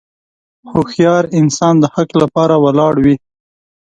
هوښیار انسان د حق لپاره ولاړ وي.